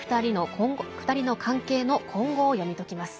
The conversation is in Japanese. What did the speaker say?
２人の関係の今後を読み解きます。